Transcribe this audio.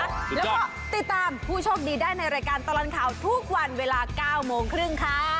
แล้วก็ติดตามผู้โชคดีได้ในรายการตลอดข่าวทุกวันเวลา๙โมงครึ่งค่ะ